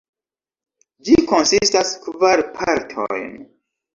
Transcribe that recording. Ĝi konsistas kvar partojn.